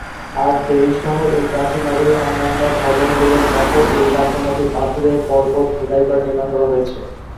আদ দেইর সহ এই প্রাচীন নগরীর অন্যান্য ভবনগুলোর মত এই কাঠামোটি পাথুরে পর্বত খোদাই করে নির্মাণ করা হয়েছে।